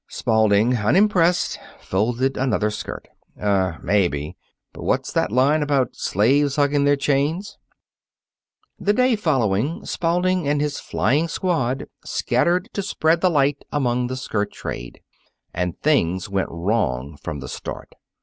Spalding, unimpressed, folded another skirt. "Um, maybe! But what's that line about slaves hugging their chains?" The day following, Spalding and his flying squad scattered to spread the light among the skirt trade. And things went wrong from the start.